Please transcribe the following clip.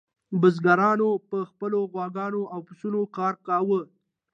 بزګرانو په خپلو غواګانو او اوسپنو کار کاوه.